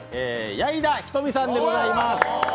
矢井田瞳さんでございます。